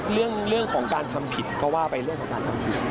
เรื่องของการทำผิดก็ว่าไปเรื่องของการทำผิด